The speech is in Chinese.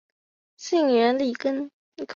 原姓粟根。